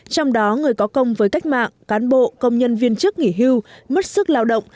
trong đó người có công với cách mạng cán bộ công nhân viên chức nghỉ hưu mất sức lao động